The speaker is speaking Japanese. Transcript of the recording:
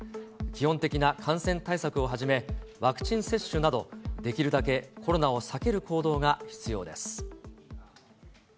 基本的な感染対策をはじめ、ワクチン接種など、できるだけコロナを避ける行動が必要です。